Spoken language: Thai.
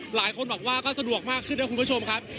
หลายคนบอกว่าก็สะดวกมากขึ้นนะคุณผู้ชมครับ